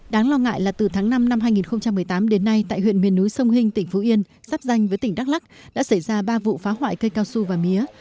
đáng lo ngại là từ tháng năm năm hai nghìn một mươi tám đến nay tại huyện miền núi sông hinh tỉnh phú yên sắp danh với tỉnh đắk lắc đã xảy ra ba vụ phá hoại cây cao su và mía